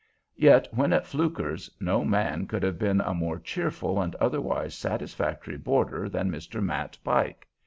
Yet, when at Flukers', no man could have been a more cheerful and otherwise satisfactory boarder than Mr. Matt Pike.